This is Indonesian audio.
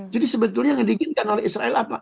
jadi sebetulnya yang diinginkan oleh israel apa